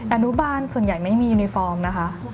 อนุบาลส่วนใหญ่ไม่มียูนิฟอร์มนะคะ